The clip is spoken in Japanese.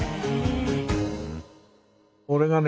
俺がね